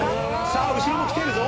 さあ後ろも来ているぞ。